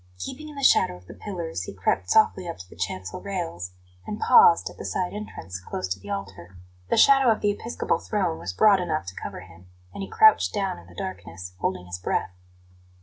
Keeping in the shadow of the pillars, he crept softly up to the chancel rails, and paused at the side entrance, close to the altar. The shadow of the episcopal throne was broad enough to cover him, and he crouched down in the darkness, holding his breath.